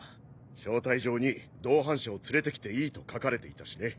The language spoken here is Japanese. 招待状に同伴者を連れて来ていいと書かれていたしね。